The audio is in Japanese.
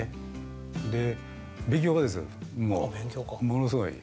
ものすごい。